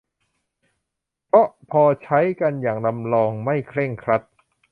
เพราะพอใช้กันอย่างลำลองไม่เคร่งครัด